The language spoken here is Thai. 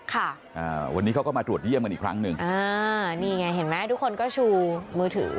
ค่ะอ่าวันนี้เขาก็มาตรวจเยี่ยมกันอีกครั้งหนึ่งอ่านี่ไงเห็นไหมทุกคนก็ชูมือถือ